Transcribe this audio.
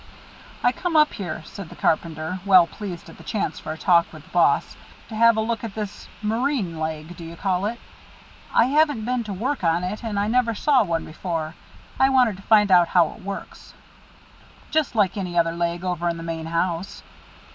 "I come up here," said the carpenter, well pleased at the chance for a talk with the boss, "to have a look at this marine leg, do you call it? I haven't been to work on it, and I never saw one before. I wanted to find out how it works." "Just like any other leg over in the main house.